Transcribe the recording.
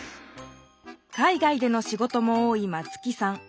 海外でのしごとも多い松木さん。